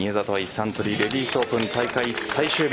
サントリーレディスオープン大会最終日。